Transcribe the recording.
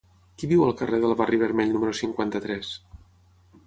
Qui viu al carrer del Barri Vermell número cinquanta-tres?